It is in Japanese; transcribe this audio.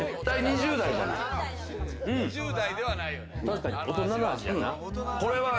確かに大人の味やな。